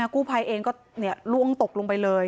กู้ภัยเองก็ล่วงตกลงไปเลย